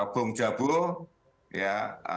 bung jabu ya